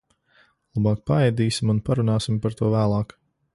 Labāk paēdīsim un parunāsim par to vēlāk.